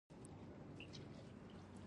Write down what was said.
مرغان سندرې وايي